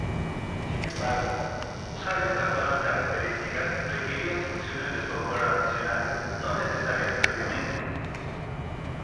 Sin embargo, usar estas nuevas características requirió instrucciones de software adicionales no necesarias previamente.